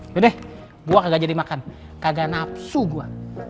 yodeh gue kagak jadi makan kagak nafsu gue